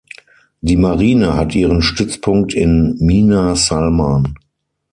Die Marine hat ihren Stützpunkt in Mina Salman.